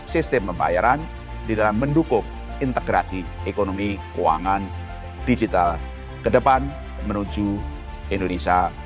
sistem pembayaran di dalam mendukung integrasi ekonomi keuangan digital ke depan menuju indonesia